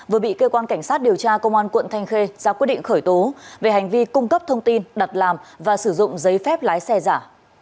vừa bị cơ quan cảnh sát điều tra công an quận thanh khê ra quyết định khởi tố về hành vi cung cấp thông tin đặt làm và sử dụng giấy phép lái xe giả